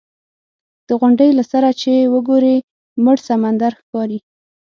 د غونډۍ له سره چې وګورې مړ سمندر ښکاري.